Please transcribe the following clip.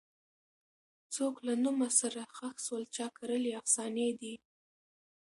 څوک له نومه سره ښخ سول چا کرلي افسانې دي